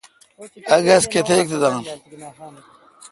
اک گز کتیک تہ دان